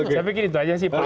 saya pikir itu aja sih pak